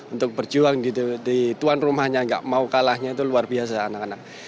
untuk berjuang di tuan rumahnya nggak mau kalahnya itu luar biasa anak anak